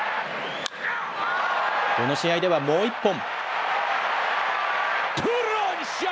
この試合では、もう１本。